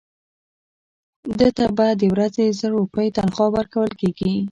ده ته به د ورځې زر روپۍ تنخوا ورکول کېږي.